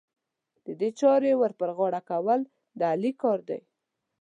د دې چارې ور پر غاړه کول، د علي کار دی.